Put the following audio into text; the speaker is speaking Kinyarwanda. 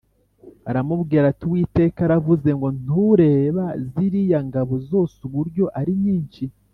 aramubwira ati “Uwiteka aravuze ngo ‘Ntureba ziriya ngabo zose uburyo ari nyinshi?